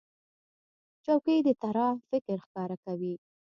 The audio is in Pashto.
چوکۍ د طراح فکر ښکاره کوي.